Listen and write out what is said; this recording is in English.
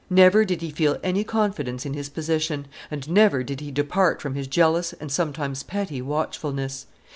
Never did he feel any confidence in his position; and never did he depart from his jealous and sometimes petty watchfulness.